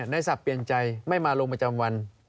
ในสับเปลี่ยนใจไม่มาลงประจำวัน